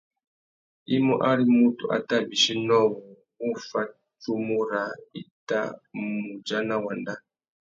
I mú ari mutu a tà bîchi nôō wu wô fá tsumu râā i tà mù udjana wanda.